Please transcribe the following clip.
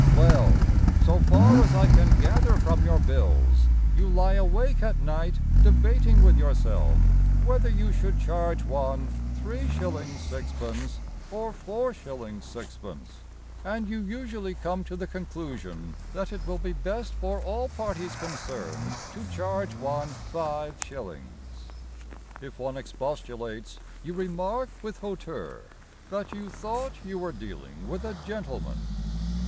Well, So far as I can gather from your bills, You lie awake at night Debating with yourself Whether you should charge one 3s. 6d. or 4s. 6d. And you usually come to the conclusion That it will be best For all parties concerned To charge one 5s. If one expostulates, You remark With hauteur That you thought you were dealing with a gentleman.